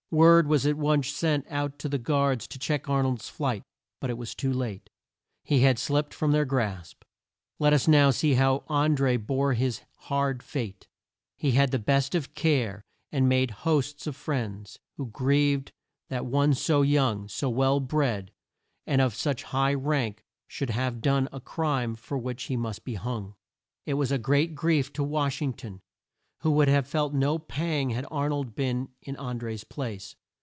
Word was at once sent out to the guards to check Ar nold's flight, but it was too late. He had slipped from their grasp. Let us now see how An dré bore his hard fate. He had the best of care, and made hosts of friends, who grieved that one so young, so well bred, and of such high rank, should have done a crime for which he must be hung. It was a great grief to Wash ing ton, who would have felt no pang had Ar nold been in An dré's place.